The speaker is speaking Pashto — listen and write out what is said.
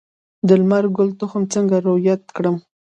د لمر ګل تخم څنګه وریت کړم؟